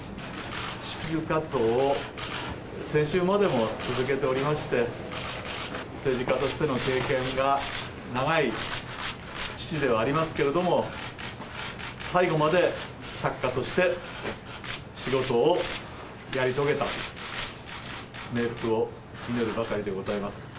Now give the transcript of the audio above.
執筆活動を、先週までも続けておりまして、政治家としての経験が長い父ではありますけれども、最後まで作家として仕事をやり遂げた、冥福を祈るばかりでございます。